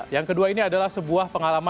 yang kedua ini adalah sebuah pengalaman